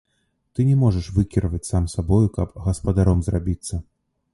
Ты не можаш выкіраваць сам сабою, каб гаспадаром зрабіцца.